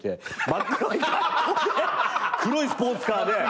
真っ黒い格好で黒いスポーツカーで。